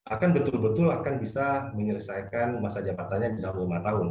akan betul betul akan bisa menyelesaikan masa jabatannya di dalam lima tahun